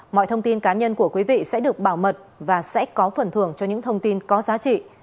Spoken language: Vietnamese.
mọi thông tin cá nhân của quý vị sẽ được bảo mật và sẽ có phần thưởng cho những thông tin có giá trị